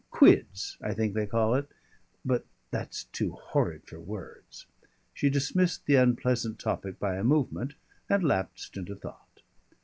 Quids, I think they call it. But that's too horrid for words!" She dismissed the unpleasant topic by a movement, and lapsed into thought.